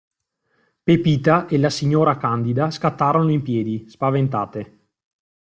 Pepita e la signora Candida scattarono in piedi, spaventate.